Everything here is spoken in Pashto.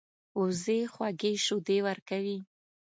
وزې خوږې شیدې ورکوي